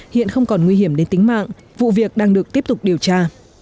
hiện không còn nguy hiểm đến tính mạng vụ việc đang được tiếp tục điều tra